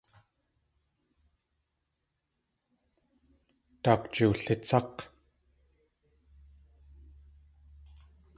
Daak jiwlitsák̲.